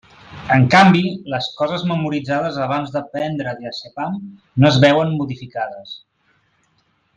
En canvi, les coses memoritzades abans de prendre diazepam no es veuen modificades.